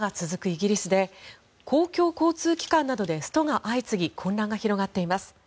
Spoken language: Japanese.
イギリスで公共交通機関などでストが相次ぎ混乱が広がっています。